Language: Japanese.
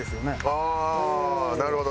ああーなるほど。